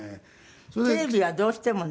テレビはどうしてもね。